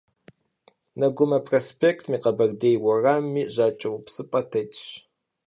Negume prospêktmi Kheberdêy vuerammi jaç'eupsıp'e têtş.